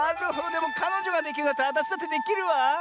でもかのじょができるんだったらあたしだってできるわ。